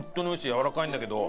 やわらかいんだけど。